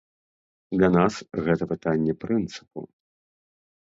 Для нас гэта пытанне прынцыпу.